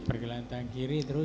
pergelangan tangan kiri terus